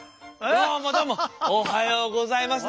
どうもどうもおはようございますだ。